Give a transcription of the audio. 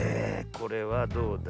これはどうだ？